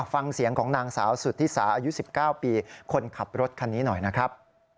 ฟังเสียงของนางสาวสุธิสาอายุ๑๙ปีคนขับรถคันนี้หน่อยนะครับ